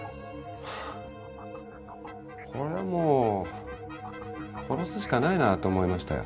これはもう殺すしかないなと思いましたよ。